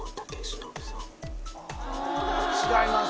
違います。